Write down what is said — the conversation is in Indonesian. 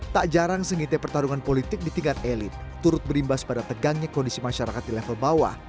tak jarang sengitnya pertarungan politik di tingkat elit turut berimbas pada tegangnya kondisi masyarakat di level bawah